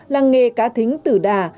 làng nghề cá thính tử đà nẵng